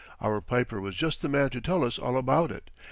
Our piper was just the man to tell us all about it.